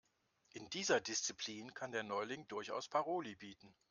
In dieser Disziplin kann der Neuling durchaus Paroli bieten.